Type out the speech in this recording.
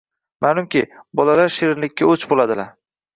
Ma’lumki, bolalar shirinlikka o‘ch bo‘ladilar.